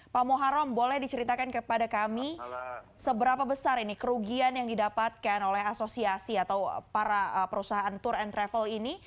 pak moharam boleh diceritakan kepada kami seberapa besar ini kerugian yang didapatkan oleh asosiasi atau para perusahaan tour and travel ini